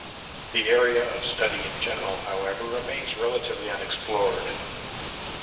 This area of study in general, however, remains relatively unexplored.